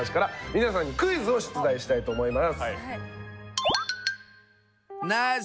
皆さんにクイズを出題したいと思います。